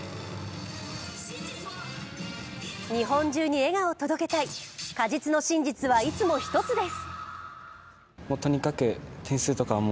日本中に笑顔を届けたい、鹿実の真実はいつも一つです。